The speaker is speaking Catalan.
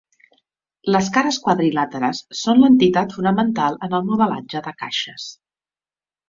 Les cares quadrilàteres són l'entitat fonamental en el modelatge de caixes.